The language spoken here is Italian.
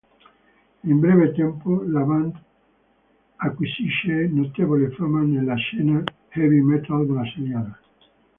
In breve tempo la band acquisisce notevole fama nella scena heavy metal brasiliana.